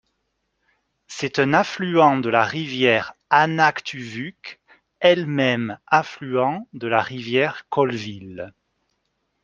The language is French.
C'est un affluent de la rivière Anaktuvuk elle-même affluent de la rivière Colville.